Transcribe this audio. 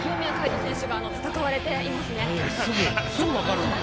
すぐ分かるんや。